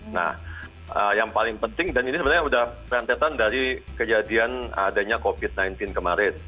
nah yang paling penting dan ini sebenarnya sudah rentetan dari kejadian adanya covid sembilan belas kemarin